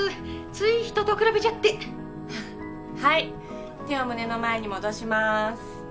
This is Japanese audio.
つい人と比べちゃってはい手を胸の前に戻します